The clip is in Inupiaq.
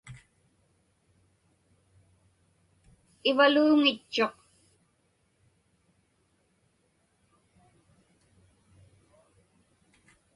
Ivaluuŋitchuq.